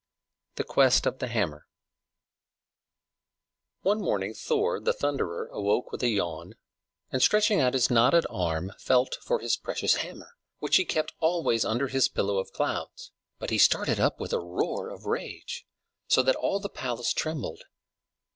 THE QUEST OF THE HAMMER One morning Thor the Thunderer awoke with a yawn, and stretching out his knotted arm, felt for his precious hammer, which he kept always under his pillow of clouds. But he started up with a roar of rage, so that all the palace trembled.